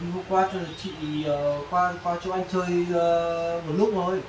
hôm qua chị qua cho anh chơi một lúc thôi